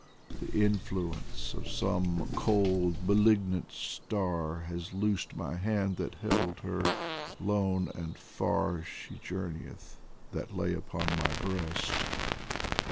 The influence of some cold malignant star Has loosed my hand that held her, lone and far She journeyeth that lay upon my breast.